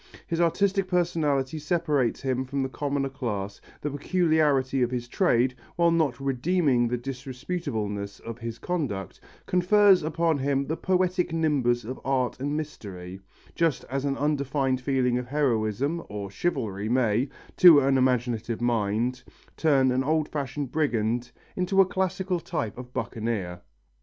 His artistic personality separates him from the commoner class, the peculiarity of his trade, while not redeeming the disreputableness of his conduct, confers upon him the poetical nimbus of art and mystery, just as an undefined feeling of heroism or chivalry may, to an imaginative mind, turn an old fashioned brigand into a classical type of buccaneer.